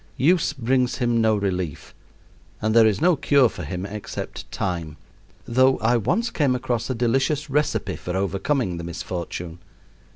Use brings him no relief, and there is no cure for him except time; though I once came across a delicious recipe for overcoming the misfortune.